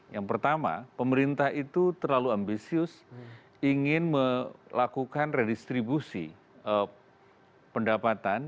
yang pertama pemerintah itu terlalu ambisius ingin melakukan redistribusi pendapatan